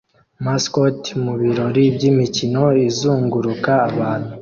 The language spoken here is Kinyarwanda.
Mascot mu birori by'imikino izunguruka abantu